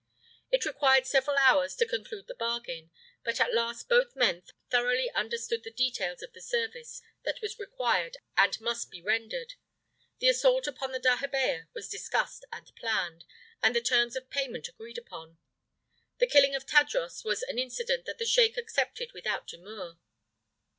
It required several hours to conclude the bargain, but at last both men thoroughly understood the details of the service that was required and must be rendered. The assault upon the dahabeah was discussed and planned, and the terms of payment agreed upon. The killing of Tadros was an incident that the sheik accepted without demur.